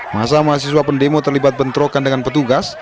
masa mahasiswa pendemo terlibat bentrokan dengan petugas